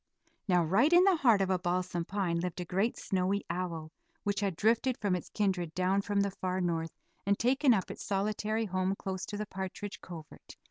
Now right in the heart of a balsam pine lived a great snowy owl, which had drifted from its kindred down from the far North, and taken up its solitary home close to the partridge covert.